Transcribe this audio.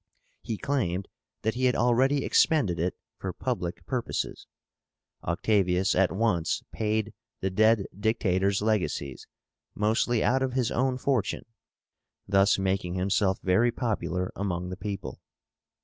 He claimed that he had already expended it for public purposes. Octavius at once paid the dead Dictator's legacies, mostly out of his own fortune, thus making himself very popular among the people.